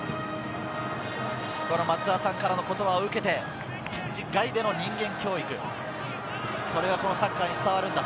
松澤さんからの言葉を受けて、ピッチ外での人間教育、それがサッカーにつながる。